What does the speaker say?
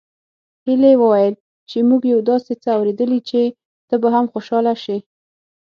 هيلې وويل چې موږ يو داسې څه اورېدلي چې ته به هم خوشحاله شې